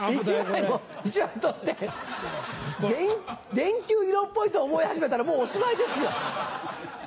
電球色っぽいと思い始めたらもうおしまいですよ。